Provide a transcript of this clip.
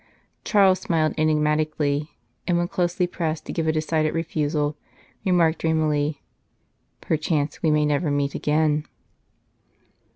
Charles smiled enigmatic ally, and, when closely pressed to give a decided refusal, remarked dreamily :" Perchance we may never meet again."